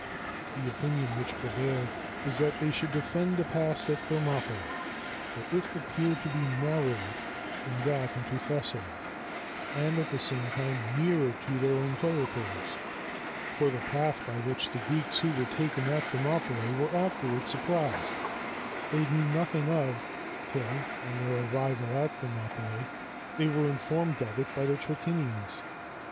The opinion which prevailed was that they should defend the pass at Thermopylæ; for it appeared to be narrower than that into Thessaly, and at the same time nearer to their own territories; for the path by which the Greeks who were taken at Thermopylæ were afterward surprised, they knew nothing of, till, on their arrival at Thermopylæ, they were informed of it by the Trachinians.